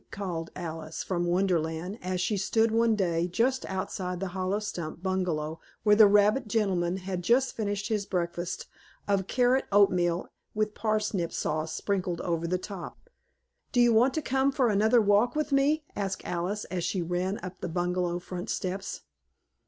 called Alice from Wonderland as she stood one day just outside the hollow stump bungalow where the rabbit gentleman had just finished his breakfast of carrot oatmeal with parsnip sauce sprinkled over the top. "Do you want to come for another walk with me?" asked Alice as she ran up the bungalow front steps.